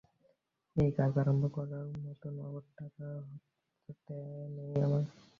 এই কাজ আরম্ভ করবার মতো নগদ টাকা হাতে নেই আমার।